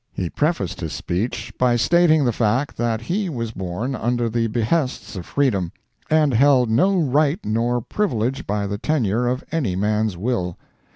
He prefaced his speech by stating the fact that he was born under the behests of freedom, and held no right nor privilege by the tenure of any man's will.